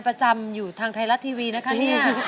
ประตูภารกิจ